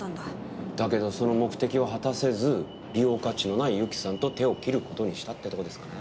だけどその目的を果たせず利用価値のない由紀さんと手を切る事にしたってとこですかね。